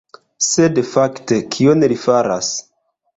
Sed fakte kion li faras?